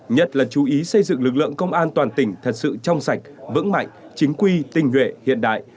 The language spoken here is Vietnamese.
nhất là chú ý xây dựng lực lượng công an toàn tỉnh thật sự trong sạch vững mạnh chính quy tình nguyện hiện đại